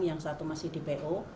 yang satu masih di bo